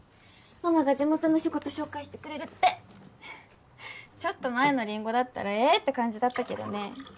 ママが地元の仕事紹介してくれるってちょっと前のりんごだったらえって感じだったけどね